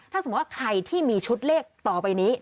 ถ้าสมมุติว่าใครที่มีชุดเลขต่อไปนี้